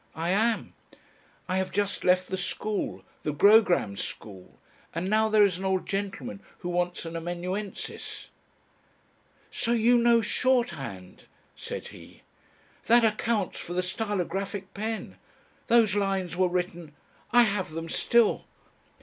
I am. I have just left the school, the Grogram School. And now there is an old gentleman who wants an amanuensis." "So you know shorthand?" said he. "That accounts for the stylographic pen. Those lines were written.... I have them still."